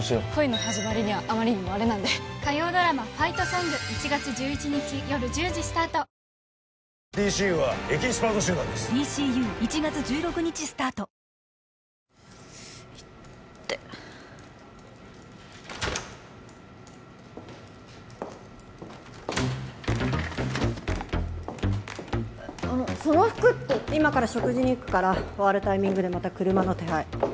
イッテあのその服って今から食事に行くから終わるタイミングでまた車の手配